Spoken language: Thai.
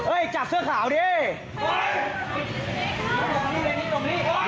หลับมานี่พี่จับเสื้อขาวดิเฮ้ยจับเสื้อขาวดิ